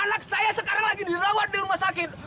anak saya sekarang lagi dirawat di rumah sakit